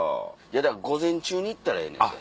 だから午前中に行ったらええねんて。